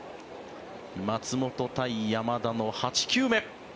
松本対山田の８球目。